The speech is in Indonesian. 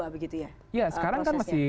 dua puluh dua begitu ya ya sekarang kan masih